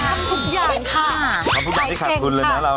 ทำทุกอย่างค่ะทำทุกอย่างให้ขาดทุนเลยนะเรา